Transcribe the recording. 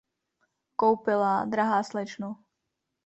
Koupila, drahá slečno.